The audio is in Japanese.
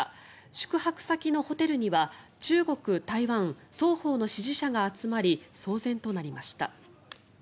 宿泊先のホテルには中国、台湾双方の支持者が集まり騒然となりました。